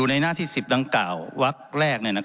ก็ไม่แค่แค่นี้